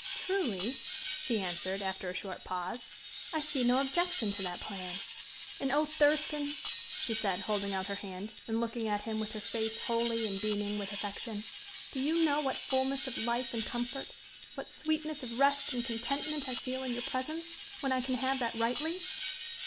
"Truly," she answered, after a short pause. "I see no objection to that plan. And, oh! Thurston," she said, holding out her hand, and looking at him with her face holy and beaming with affection, "do you know what fullness of life and comfort what sweetness of rest and contentment I feel in your presence, when I can have that rightly?"